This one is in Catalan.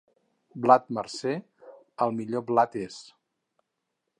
Blat marcer, el millor blat és.